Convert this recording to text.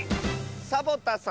サボタさん。